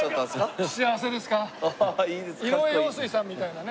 井上陽水さんみたいなね。